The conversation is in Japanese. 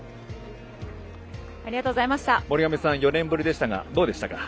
森上さん４年ぶりでしたがどうでしたか？